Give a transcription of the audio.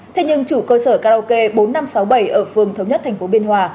thế nhưng chủ cơ sở karaoke bốn nghìn năm trăm sáu mươi bảy ở phường thống nhất tp biên hòa